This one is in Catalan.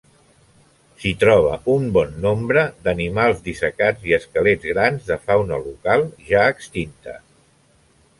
S'hi troba un bon nombre d'animals dissecats i esquelets grans de fauna local ja extinta.